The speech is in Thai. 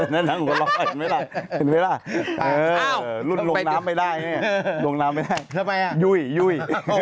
นั่งหัวเราะเห็นไหมล่ะลุ้นลงน้ำไม่ได้ลงน้ำไม่ได้ยุ่ยยุ่ย